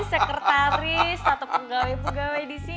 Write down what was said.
sekretaris atau pegawai pegawai di sini